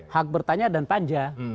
hak bertanya dan panja